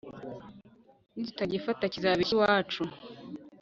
Nitutagifata kizaba iki iwacu?